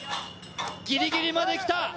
ギリギリまで来た。